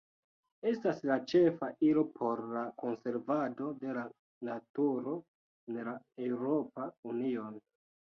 Estas la ĉefa ilo por la konservado de la naturo en la Eŭropa Unio.